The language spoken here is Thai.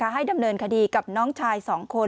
ให้ดำเนินคดีกับน้องชาย๒คน